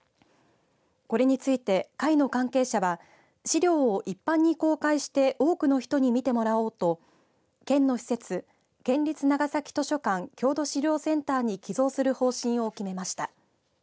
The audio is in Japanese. これについて会の関係者は資料を一般に公開して多くの人に見てもらおうと県の施設県立長崎図書館郷土資料センターに寄贈する方針を決めました。